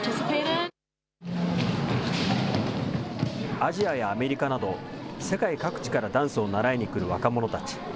アジアやアメリカなど、世界各地からダンスを習いに来る若者たち。